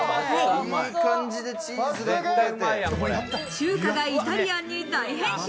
中華がイタリアンに大変身。